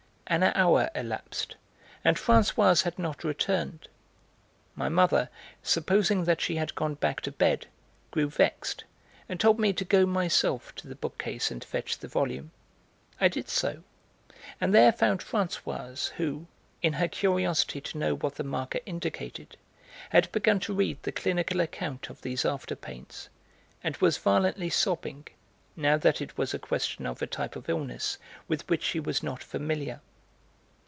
An hour elapsed, and Françoise had not returned; my mother, supposing that she had gone back to bed, grew vexed, and told me to go myself to the bookcase and fetch the volume. I did so, and there found Françoise who, in her curiosity to know what the marker indicated, had begun to read the clinical account of these after pains, and was violently sobbing, now that it was a question of a type of illness with which she was not familiar.